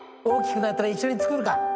大きくなったら一緒に作るか。